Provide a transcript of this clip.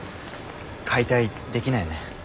解体できないよね？